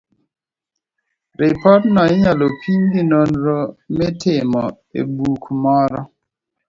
Ripodno inyalo pim gi nonro mitimo e buk moro.